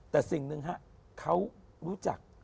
แต่สิ่งหนึ่งฮะเขารู้จัก